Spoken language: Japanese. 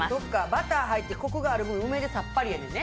バターが入ってコクがある分梅でさっぱりやねんね。